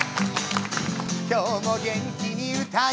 「今日も元気に歌います」